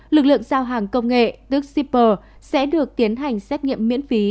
lực lượng giao hàng công nghệ tức shipper sẽ được tiến hành xét nghiệm miễn phí